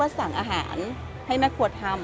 สั่งอาหารให้แม่ครัวทำ